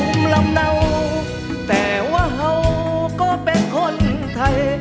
ภูมิลำเนาแต่ว่าเขาก็เป็นคนไทย